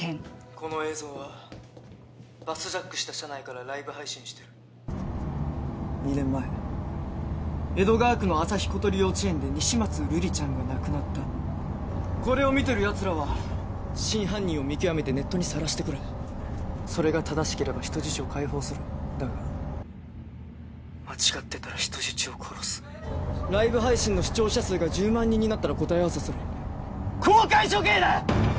この映像はバスジャックした車内からライブ配信してる２年前江戸川区の朝日ことり幼稚園で西松瑠璃ちゃんが亡くなったこれを見てるやつらは真犯人を見極めてネットにさらしてくれそれが正しければ人質を解放するだが間違ってたら人質を殺すライブ配信の視聴者数が１０万人になったら答え合わせする公開処刑だ！